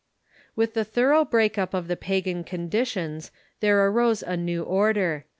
With the thorough break up of the pagan conditions there arose a new order.